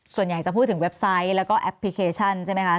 ส่วนใหญ่จะพูดถึงเว็บไซต์แล้วก็แอปพลิเคชันใช่ไหมคะ